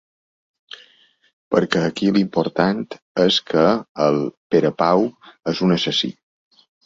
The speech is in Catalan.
Perquè aquí l'important és que el Perepau és un assassí.